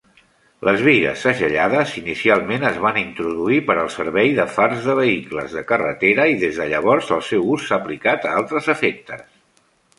Les bigues segellades inicialment es va introduir per al servei de fars de vehicles de carretera i des de llavors el seu ús s'ha aplicat a altres efectes.